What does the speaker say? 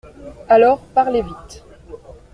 Alors, parlez vite.